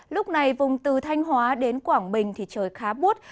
lúc này vùng từ thanh hóa đến quảng bình thì trời khá bút